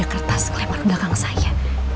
ada kertas kelemar belakang saya